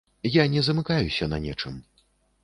Я не замыкаюся на нечым.